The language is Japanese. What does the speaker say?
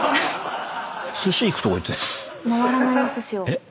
えっ？